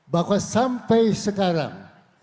bahwa sampai sekarang